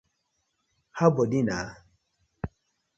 How bodi na?